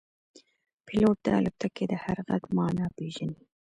پیلوټ د الوتکې د هر غږ معنا پېژني.